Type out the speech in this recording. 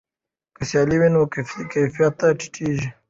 که سیالي وي نو کیفیت نه ټیټیږي.